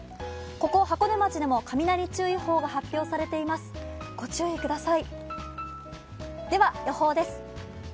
ここ箱根町でも雷注意報が発表されています、ご注意ください。